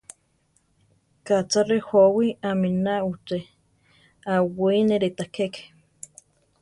Ka cha rejówi aminá uché; aʼwineri ta keke.